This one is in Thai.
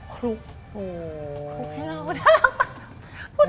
โอ้โหคลุกให้เราน่ารักมาก